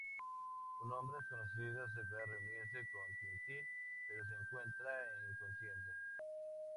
Un hombre desconocido acepta reunirse con Tintín, pero se encuentra inconsciente.